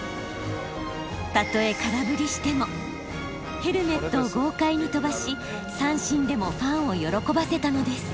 たとえ空振りしてもヘルメットを豪快に飛ばし三振でもファンを喜ばせたのです。